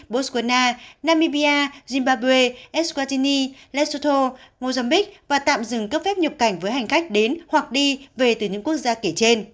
botswana namibia zimbabwe eswatini lesotho mozambique và tạm dừng cấp phép nhập cảnh với hành khách đến hoặc đi về từ những quốc gia kể trên